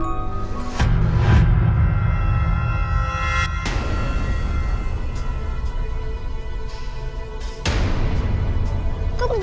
ya aku mau makan